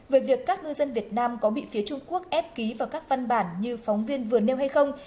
về việc các ngư dân việt nam có bị phía trung quốc ép ký vào các văn bản như phóng viên vừa nêu hay không